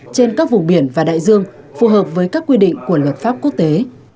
trên các vùng biển và đại dương phù hợp với các quy định của luật pháp quốc tế